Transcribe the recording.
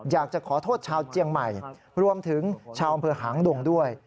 อยากจะขอโทษชาวเจียงใหม่รวมถึงชาวอำเภอหางดงด้วย